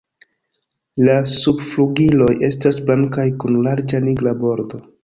La subflugiloj estas blankaj kun larĝa nigra bordo.